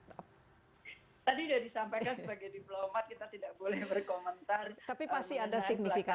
tadi sudah disampaikan sebagai diplomat